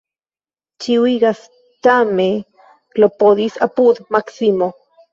Ĉiuj gastame klopodis apud Maksimo.